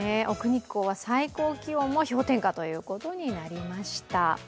奥日光は最高気温も氷点下ということになりました。